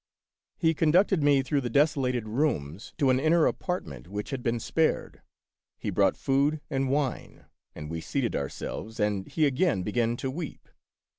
He conducted me through the desolated rooms to an inner apartment which had been spared. He brought food and wine, and we seated our selves, and he again began to weep.